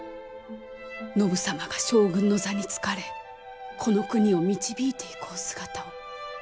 信様が将軍の座に就かれこの国を導いていくお姿を。